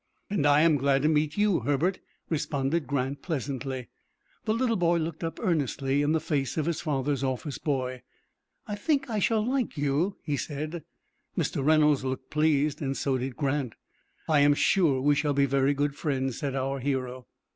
"And I am glad to meet you, Herbert," responded Grant, pleasantly. The little boy looked up earnestly in the face of his father's office boy. "I think I shall like you," he said. Mr. Reynolds looked pleased, and so did Grant. "I am sure we shall be very good friends," said our hero.